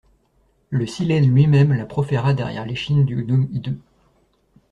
Le Silène lui-même la proféra derrière l'échine du gnome hideux.